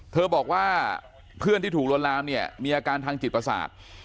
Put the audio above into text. เธอบอกว่าเพื่อนที่ถูกลวนลามเนี่ยมีอาการทางจิตประสาท